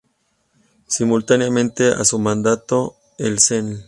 Simultáneamente a su mandato, el Cnel.